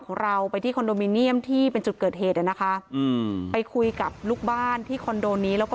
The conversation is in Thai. ของเราไปที่คอนโดมิเนียมที่เป็นจุดเกิดเหตุอ่ะนะคะอืมไปคุยกับลูกบ้านที่คอนโดนี้แล้วก็